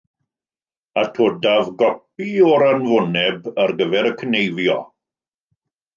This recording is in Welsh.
Atodaf gopi o'r anfoneb ar gyfer y cneifio